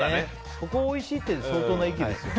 ここがおいしいって相当な域ですよね。